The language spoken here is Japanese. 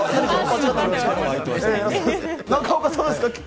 中岡さん、どうですか。